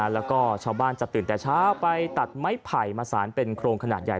แล้วก็ชาวบ้านจะตื่นแต่เช้าไปตัดไม้ไผ่มาสารเป็นโครงขนาดใหญ่